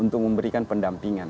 untuk memberikan pendampingan